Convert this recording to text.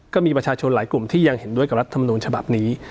ก็มีประชาชนหลายกลุ่มที่ยังเห็นด้วยกับรัฐมนูญฉบับนี้